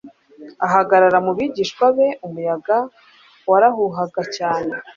Ahagarara mu bigishwa be, umuyaga warahuhaga cyane,